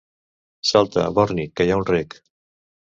Salta, borni, que hi ha un rec.